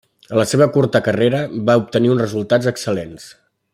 En la seva curta carrera, va obtenir uns resultats excel·lents.